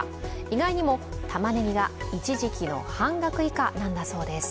意外にも玉ねぎが一時期の半額以下なんだそうです。